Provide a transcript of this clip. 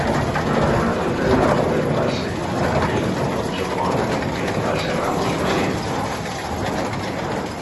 Y con la denominación del lago del embalse El Chocón, "Embalse Ramos Mexía".